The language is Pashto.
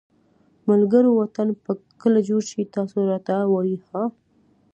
ملګروو وطن به کله جوړ شي تاسو راته ووایی ها